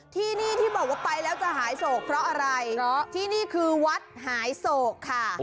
ที่นี่ที่บอกว่าไปแล้วจะหายโศกเพราะอะไรเพราะที่นี่คือวัดหายโศกค่ะ